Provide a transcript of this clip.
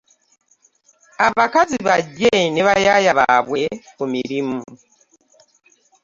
Abakazi bajje ne bayaaya baabwe ku mirimu.